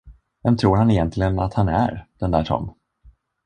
Vem tror han egentligen att han är, den där Tom?